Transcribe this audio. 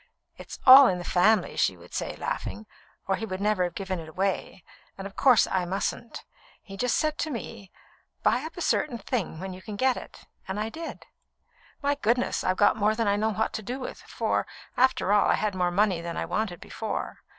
"It's all in the family," she would say, laughing, "or he would never have given it away; and, of course, I mustn't. He just said to me: 'Buy up a certain thing while you can get it,' and I did. My goodness! I've got more than I know what to do with, for, after all, I had more money than I wanted before.